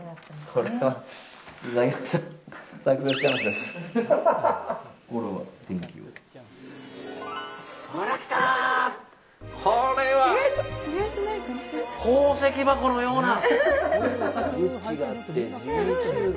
これは宝石箱のような。